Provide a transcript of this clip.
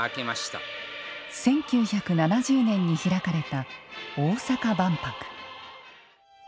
１９７０年に開かれた大阪万博。